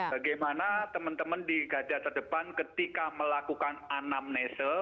bagaimana teman teman di gajah terdepan ketika melakukan anamnese